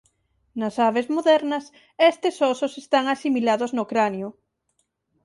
Nas aves modernas estes ósos están asimilados no cranio.